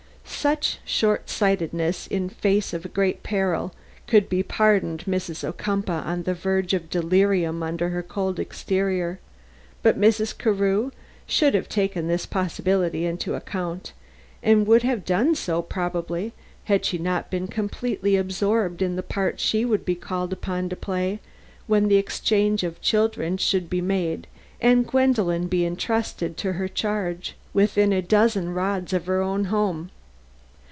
Such short sightedness in face of a great peril could be pardoned Mrs. Ocumpaugh on the verge of delirium under her cold exterior, but Mrs. Carew should have taken this possibility into account; and would have done so, probably, had she not been completely absorbed in the part she would be called upon to play when the exchange of children should be made and Gwendolen be intrusted to her charge within a dozen rods of her own home.